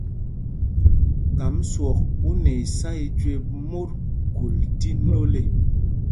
Kam swɔk u nɛ isá i jüe mot khul tí nôl ê.